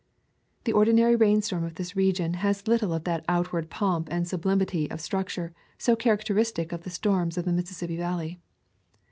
The ordinary rainstorm of this region has little of that outward pomp and sublimity of structure so characteristic of the storms of the Mississippi Valley.